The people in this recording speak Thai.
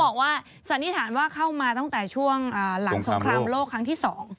สันนิษฐานว่าเข้ามาตั้งแต่ช่วงหลังสงครามโลกครั้งที่๒